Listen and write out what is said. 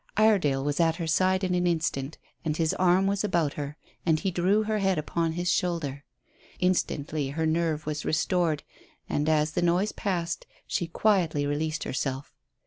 Iredale was at her side in an instant, and his arm was about her, and he drew her head upon his shoulder. Instantly her nerve was restored, and, as the noise passed, she quietly released herself.